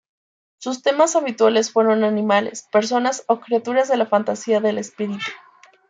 Sus temas habituales fueron animales, personas o criaturas de la fantasía del espíritu.